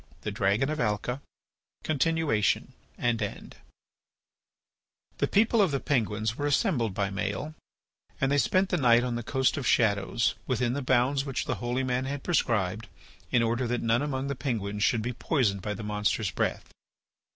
THE DRAGON OF ALCA (Continuation and End) The people of the Penguins were assembled by Maël and they spent the night on the Coast of Shadows within the bounds which the holy man had prescribed in order that none among the Penguins should be poisoned by the monster's breath.